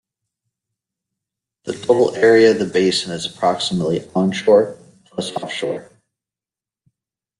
The total area of the basin is approximately onshore plus offshore.